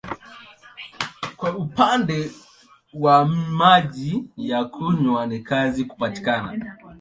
Kwa upande wa maji ya kunywa ni kazi kupatikana.